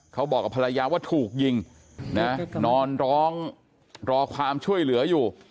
เขาบอกกับภรรยาว่าถูกยิงนะนอนร้องรอความช่วยเหลืออยู่